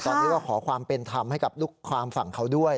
ตอนนี้ก็ขอความเป็นธรรมให้กับลูกความฝั่งเขาด้วย